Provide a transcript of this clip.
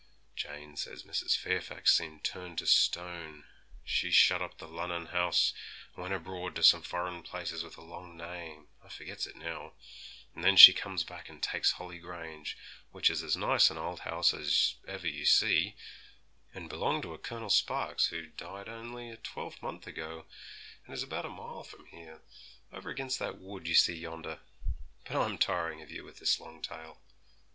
Jane says Mrs. Fairfax seemed turned to stone; she shut up the Lunnon house, and went abroad to some foreign place with a long name, I forgets it now; and then she comes back and takes Holly Grange, which is as nice an old house as ever you see, and belonged to a Colonel Sparks, who died only a twelvemonth ago, and is about a mile from here, over against that wood you see yonder. But I'm tiring of you with this long tale.'